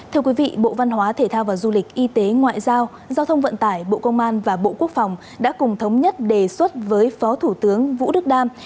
thưa quý vị bộ văn hóa thể thao và du lịch y tế ngoại giao giao thông vận tải bộ công an và bộ quốc phòng đã cùng thống nhất đề xuất với phó thủ tướng vũ đức đam